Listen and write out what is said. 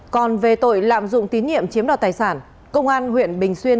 còn về tội lạm dụng tín nhiệm chiếm đoạt tài sản công an huyện bình xuyên